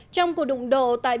trong cuộc đụng đổ tại palestine